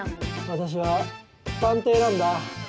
私は探偵なんだ。